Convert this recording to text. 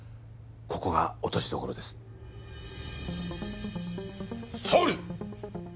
ここが落としどころです総理！